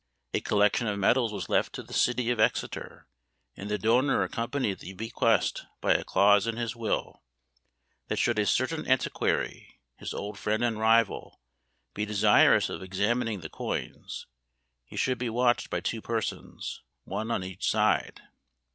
A collection of medals was left to the city of Exeter, and the donor accompanied the bequest by a clause in his will, that should a certain antiquary, his old friend and rival, be desirous of examining the coins, he should be watched by two persons, one on each side.